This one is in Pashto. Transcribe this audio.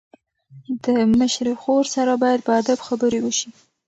د مشرې خور سره باید په ادب خبرې وشي.